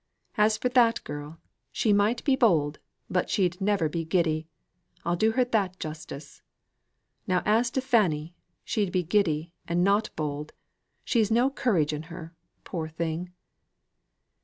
As for that girl, she might be bold, but she'd never be giddy. I'll do her that justice. Now as to Fanny, she'd be giddy, and not bold. She's no courage in her, poor thing!"